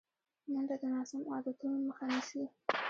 منډه د ناسم عادتونو مخه نیسي